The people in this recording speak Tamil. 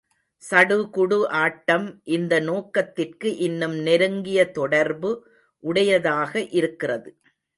சடுகுடு ஆட்டம் இந்த நோக்கத்திற்கு இன்னும் நெருங்கிய தொடர்பு உடையதாக இருக்கிறது.